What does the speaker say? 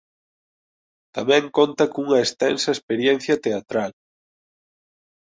Tamén conta cunha extensa experiencia teatral.